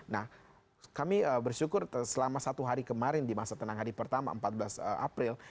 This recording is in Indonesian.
nah kami bersyukur selama satu hari kemarin di masa tenang hari pertama empat belas akun yang memang selama ini sudah terbiasa melakukan kampanye